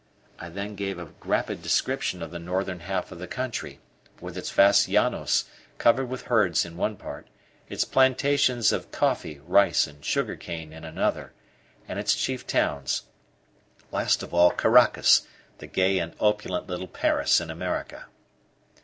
I then gave a rapid description of the northern half of the country, with its vast llanos covered with herds in one part, its plantations of coffee, rice, and sugar cane in another, and its chief towns; last of all Caracas, the gay and opulent little Paris in America.